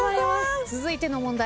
続いての問題